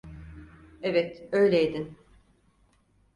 Evet, öyleydin.